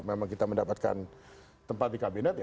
memang kita mendapatkan tempat di kabinet ya